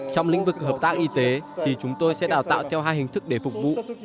trong lĩnh vực hợp tác y tế thì chúng tôi sẽ đào tạo theo hai hình thức để phục vụ